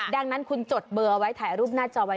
ดังนั้นคุณจดเบอร์เอาไว้ถ่ายรูปหน้าจอไว้